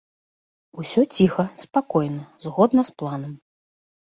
Усё ціха, спакойна, згодна з планам.